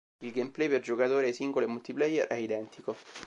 Il gameplay per giocatore singolo e multiplayer è identico.